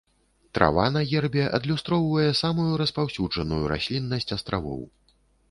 Трава на гербе адлюстроўвае самую распаўсюджаную расліннасць астравоў.